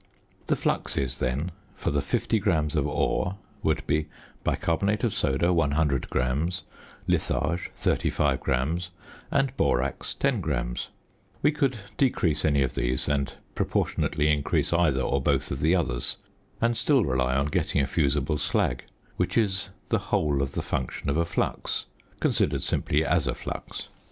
The fluxes, then, for the 50 grams of ore would be: bicarbonate of soda 100 grams, litharge 35 grams, and borax 10 grams; we could decrease any of these, and proportionately increase either or both of the others, and still rely on getting a fusible slag, which is the whole of the function of a flux, considered simply as a flux.